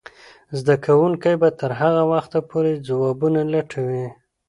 زده کوونکې به تر هغه وخته پورې ځوابونه لټوي.